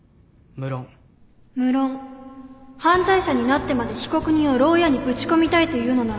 むろん犯罪者になってまで被告人をろう屋にぶち込みたいというのなら